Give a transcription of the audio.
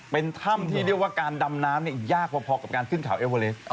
เป็นถ้ำที่เรียกว่าการดำน้ำยากพอกับการขึ้นเขาเอเวอเลส